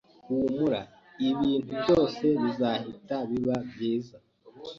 Humura! Ibintu byose bizahita biba byiza.